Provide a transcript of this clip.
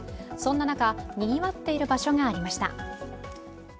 そんな中、にぎわっている場所がありました。